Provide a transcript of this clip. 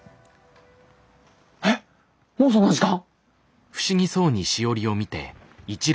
えっもうそんな時間？